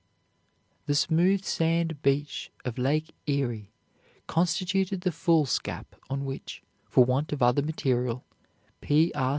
The smooth sand beach of Lake Erie constituted the foolscap on which, for want of other material, P. R.